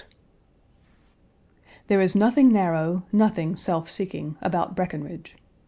There is nothing narrow, nothing self seeking, about Breckinridge.